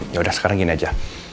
yaudah sekarang gini aja